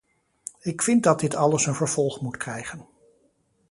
Ik vind dat dit alles een vervolg moet krijgen.